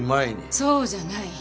そうじゃない。